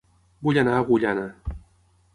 Vull anar a Agullana